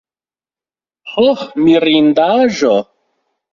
ho mirindaĵo!